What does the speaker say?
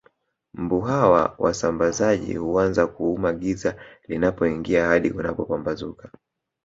Mbu hawa wasambazaji huanza kuuma giza linapoingia hadi kunapopambazuka